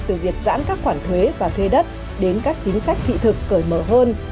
từ việc giãn các khoản thuế và thuê đất đến các chính sách thị thực cởi mở hơn